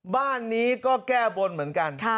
บ้านนี้ก็แก้บนเหมือนกัน